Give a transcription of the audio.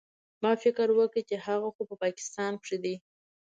ما فکر وکړ چې هغه خو په پاکستان کښې دى.